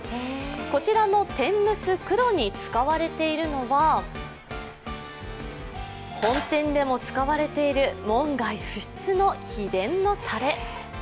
こちらの天むす黒に使われているのは本店でも使われている門外不出の秘伝のたれ。